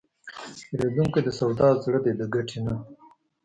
پیرودونکی د سودا زړه دی، د ګټې نه.